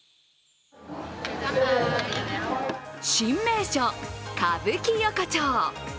新名所・歌舞伎横丁。